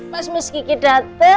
pas miss kiki dateng